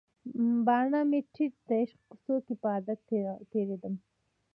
باڼه مې ټیټ د عشق کوڅو کې په عادت تیریدم